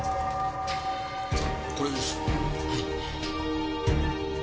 これです。